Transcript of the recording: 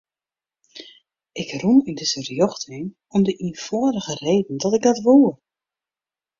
Ik rûn yn dizze rjochting om de ienfâldige reden dat ik dat woe.